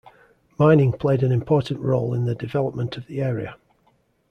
Mining played an important role in the development of the area.